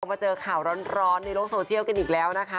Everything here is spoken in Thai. มาเจอข่าวร้อนในโลกโซเชียลกันอีกแล้วนะคะ